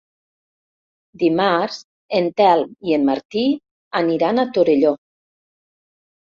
Dimarts en Telm i en Martí aniran a Torelló.